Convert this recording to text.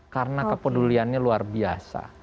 karena kepeduliannya luar biasa